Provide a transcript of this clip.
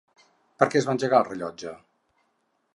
Per què es va engegar el rellotge?